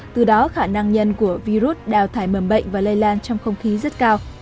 từ đó khả năng nhân của virus đào thải mầm bệnh và lây lan trong không khí rất cao